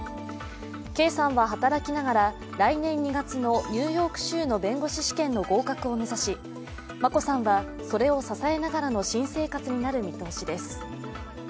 圭さんは働きながら来年２月のニューヨーク州の弁護士試験の合格を目指し、眞子さんはそれを支えながらの新生活になる見通しです。